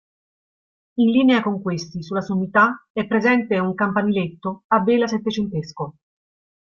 In linea con questi, sulla sommità, è presente un campaniletto a vela settecentesco.